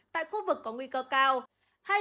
tại khu vực có nguy cơ cao